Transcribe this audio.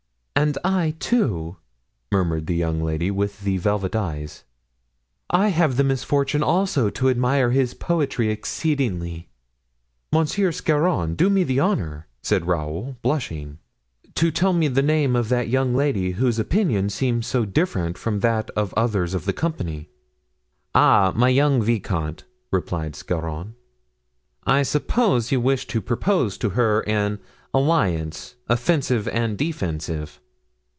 "And I, too," murmured the young lady with the velvet eyes. "I have the misfortune also to admire his poetry exceedingly." "Monsieur Scarron, do me the honor," said Raoul, blushing, "to tell me the name of that young lady whose opinion seems so different from that of others of the company." "Ah! my young vicomte," replied Scarron, "I suppose you wish to propose to her an alliance offensive and defensive."